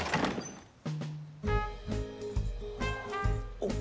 おっ。